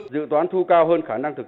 dự toán thu cao hơn khả năng thuế